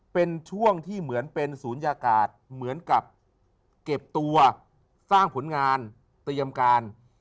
เป็นช่วงที่เหมือนเป็นศูนยากาศเหมือนกับเก็บตัวสร้างผลงานเตรียมการ